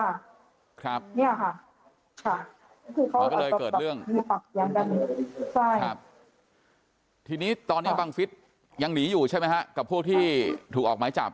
นี่ค่ะก็เลยเกิดเรื่องทีนี้ตอนนี้บางพิษยังหนีอยู่ใช่ไหมฮะกับพวกที่ถูกออกไม้จับ